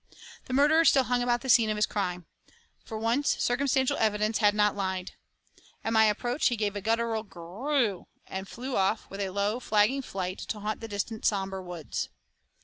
The murderer still hung about the scene of his crime. For once circumstantial evidence had not lied. At my approach he gave a guttural 'grrr oo' and flew off with low flagging flight to haunt the distant sombre woods.